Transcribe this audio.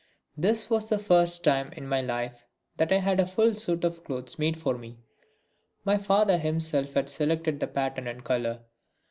This was the first time in my life that I had a full suit of clothes made for me. My father himself had selected the pattern and colour.